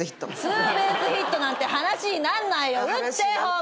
ツーベースヒットなんて話になんないよ打ってホームラン。